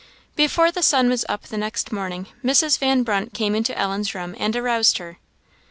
Before the sun was up the next morning, Mrs. Van Brunt came into Ellen's room, and aroused her.